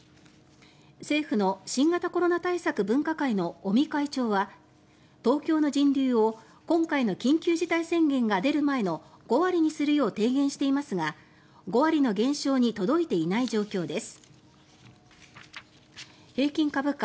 政府の新型コロナ対策分科会の尾身会長は東京の人流を今回の緊急事態宣言が出る前の５割にするよう提言していますが５割の減少に届いていない状況です。